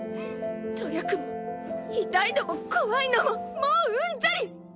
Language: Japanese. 努力も痛いのも怖いのももううんざり！